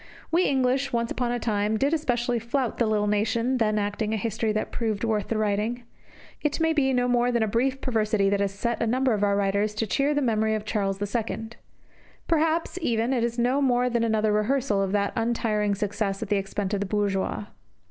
We English, once upon a time, did especially flout the little nation then acting a history that proved worth the writing. It may be no more than a brief perversity that has set a number of our writers to cheer the memory of Charles II. Perhaps, even, it is no more than another rehearsal of that untiring success at the expense of the bourgeois.